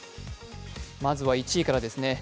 まずは１位からですね。